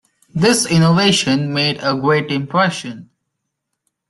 This innovation made a great impression.